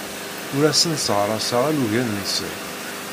Ur asen-sseɣraseɣ alugen-nsen.